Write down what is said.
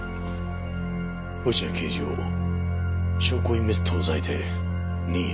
落合刑事を証拠隠滅等罪で任意同行。